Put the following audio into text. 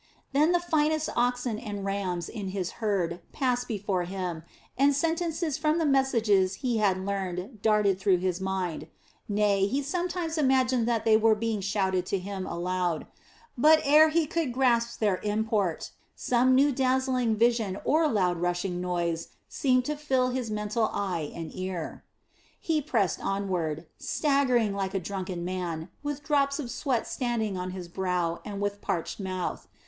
Then the finest oxen and rams in his herds passed before him and sentences from the messages he had learned darted through his mind; nay he sometimes imagined that they were being shouted to him aloud. But ere he could grasp their import, some new dazzling vision or loud rushing noise seemed to fill his mental eye and ear. He pressed onward, staggering like a drunken man, with drops of sweat standing on his brow and with parched mouth.